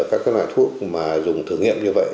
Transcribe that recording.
các loại thuốc mà dùng thử nghiệm như vậy